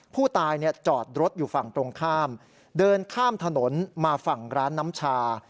ผู้ตายจอดรถอยู่ฝั่งตรงข้ามเดินข้ามถนนมาฝั่งร้านน้ำชา